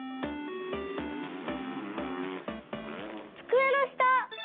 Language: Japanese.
つくえのした！